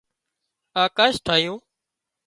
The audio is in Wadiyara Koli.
آڪاش ٺاهيون